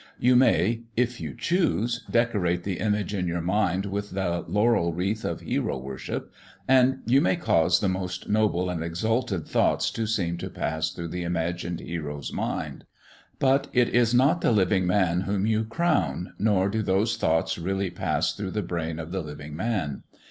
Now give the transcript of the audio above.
You may, if you choose, decorate the image in your mind with the laurel wreath of hero worship, and you may cause the most noble and exalted thoughts to seem to pass through the imagined hero's mind. But it is not the living man whom you crown, nor do those thoughts really pass through the brain of the living man.